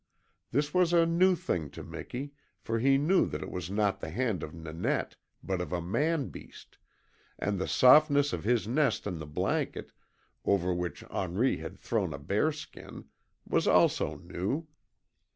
This was a new thing to Miki, for he knew that it was not the hand of Nanette, but of a man beast, and the softness of his nest in the blanket, over which Henri had thrown a bear skin, was also new.